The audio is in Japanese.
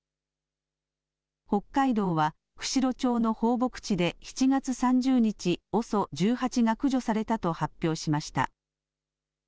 北海道は、釧路町の放牧地で７月３０日、ＯＳＯ１８が駆除されたと発表しました。